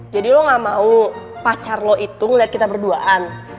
jadi lo gak mau pacar lo itu ngeliat kita berduaan